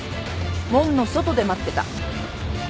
門の外で待ってた。